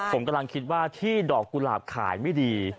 ผมกำลังคิดว่าที่ดอกกุหลาบขายไม่ดี